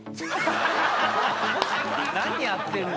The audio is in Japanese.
何やってるんだ？